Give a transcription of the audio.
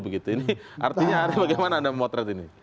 ini artinya bagaimana anda memotret ini